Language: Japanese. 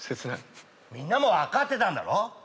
みんなも分かってたんだろ？